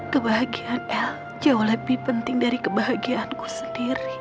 kebahagiaan el jauh lebih penting dari kebahagiaanku sendiri